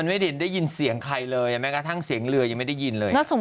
น้องหยกที่แนะนำไม่ต้องฝึกษาพี่หนุ่ม